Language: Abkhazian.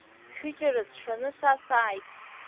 Шәыџьара сшаны са сааит.